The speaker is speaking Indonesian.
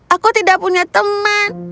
aku tidak punya teman